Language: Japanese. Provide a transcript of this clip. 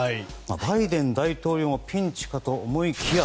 バイデン大統領もピンチかと思いきや